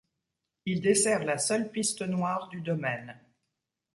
Il dessert la seule piste noire du domaine.